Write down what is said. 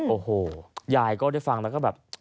โอ้โหยายก็ได้ฟังแล้วก็แบบ